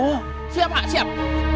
oh siap pak siap